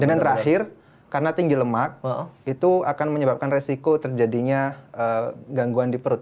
dan yang terakhir karena tinggi lemak itu akan menyebabkan resiko terjadinya gangguan di perut